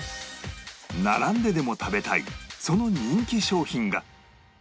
並んででも食べたいその人気商品が